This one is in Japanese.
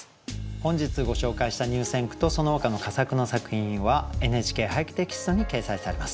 本日ご紹介した入選句とそのほかの佳作の作品は「ＮＨＫ俳句」テキストに掲載されます。